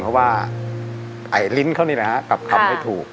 เพราะไอฤ้นเค้านี้นะครับกลับคำให้ถูก